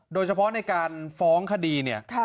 โดยเฉพาะในการฟ้องคดี